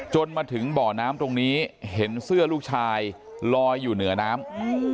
จนถึงบ่อน้ำตรงนี้เห็นเสื้อลูกชายลอยอยู่เหนือน้ำ